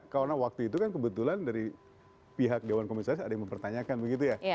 karena waktu itu kan kebetulan dari pihak dewan komunisasi ada yang mempertanyakan begitu ya